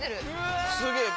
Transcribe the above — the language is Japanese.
すげえ。